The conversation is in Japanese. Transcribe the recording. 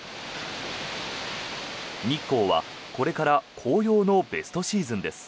日光はこれから紅葉のベストシーズンです。